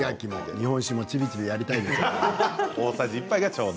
日本酒もちびちびやりたいですね。